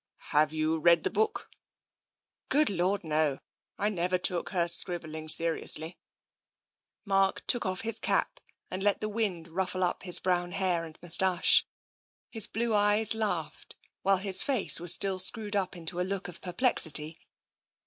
u Have you read the book ?"" Good Lord, no ! I never took her scribbling se riously." Mark took off his cap and let the wind rufHe up his brown hair and moustache. His blue eyes laughed. TENSION 15 while his face was still screwed up into a look of per plexity.